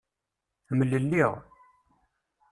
Mlelliɣ.